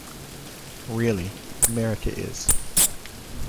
Really, America is.